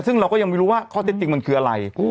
ซึ่งเราก็ยังไม่รู้ว่าข้อเท็จจริงมันคืออะไร